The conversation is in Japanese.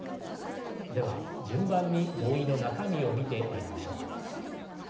では、順番に合意の中身を見てまいりましょう。